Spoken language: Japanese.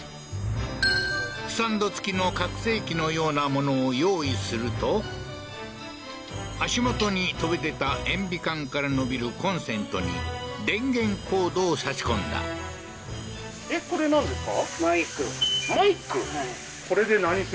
スタンド付きの拡声器のようなものを用意すると足元に飛び出た塩ビ管から伸びるコンセントに電源コードを差し込んだマイク？